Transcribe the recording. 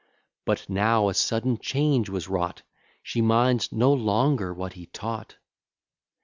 But now a sudden change was wrought; She minds no longer what he taught.